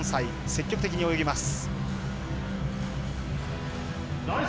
積極的に泳ぎます。